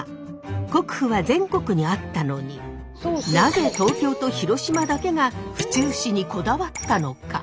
国府は全国にあったのになぜ東京と広島だけが府中市にこだわったのか？